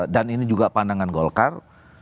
dan ini juga pandangan golkar